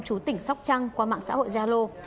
chú tỉnh sóc trăng qua mạng xã hội gia lô